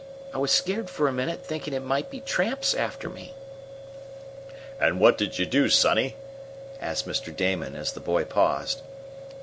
I was scared for a minute, thinkin' it might be tramps after me." "And what did you do, Sonny?" asked Mr. Damon, as the boy paused.